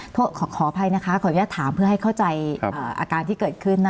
ความขออภัยนะคะเดี๋ยวขอแย่ตามเพื่อก็ให้เข้าใจอาการที่เกิดขึ้นนะคะ